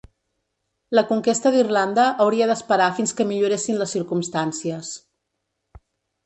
La conquesta d'Irlanda hauria d'esperar fins que milloressin les circumstàncies.